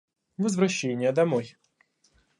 Возвращение домой.